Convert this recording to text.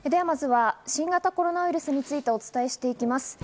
まずは新型コロナウイルスについてお伝えしていきます。